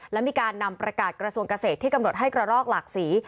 และมีการนำประกาศกระทรวงเกษตรที่กำหนดให้กระรอกหลากสี